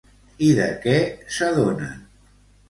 I de què s'adonen?